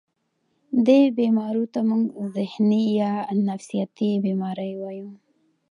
دې بيمارو ته مونږ ذهني يا نفسياتي بيمارۍ وايو